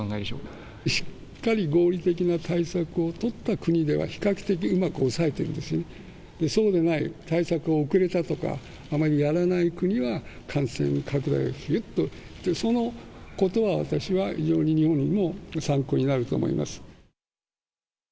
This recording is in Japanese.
しっかり合理的な対策を取った国では、比較的うまく抑えてるんですね、そうでない、対策が遅れたとか、あまりやらない国は、感染拡大がひゅっと、そのことは私は非常に日本にも参考になると思います。